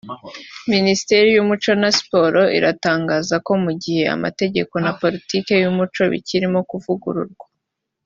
Minisiteri y’Umuco na Siporo iratangaza ko mu gihe amategeko na politiki y’umuco bikirimo kuvugururwa